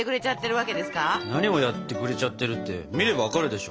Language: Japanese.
何をやってくれちゃってるって見れば分かるでしょ？